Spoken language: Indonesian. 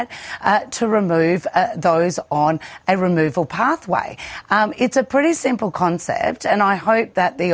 pemerintah telah membuat penyelidikan yang berharga